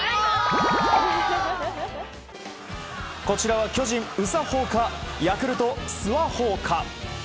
こちらは巨人、うさほーかヤクルト、すわほーか。